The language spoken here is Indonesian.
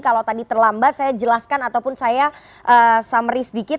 kalau tadi terlambat saya jelaskan ataupun saya summary sedikit